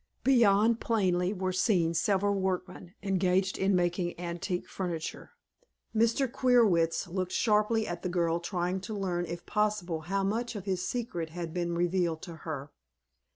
Beyond plainly were seen several workmen engaged in making antique furniture. Mr. Queerwitz looked sharply at the girl, trying to learn, if possible, how much of his secret had been revealed to her.